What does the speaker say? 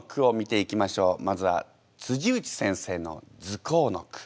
まずは内先生の「ズコー」の句。